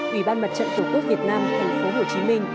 ủy ban mặt trận tổ quốc việt nam tp hcm